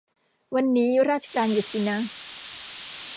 วันนี้ราชการหยุดสินะ